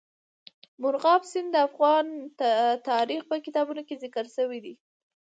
مورغاب سیند د افغان تاریخ په کتابونو کې ذکر شوی دی.